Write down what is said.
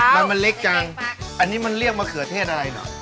มันมันเล็กจังอันนี้มันเรียกมะเขือเทศอะไรเหรอ